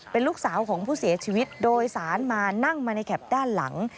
เป็นลูกสาวของผู้เสียชีวิตโดยสารมานั่งมาในแคปด้านหลัง